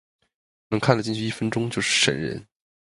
能看的进去一分钟就是神人